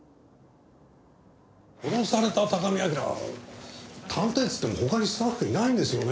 殺された高見明は探偵といっても他にスタッフいないんですよね。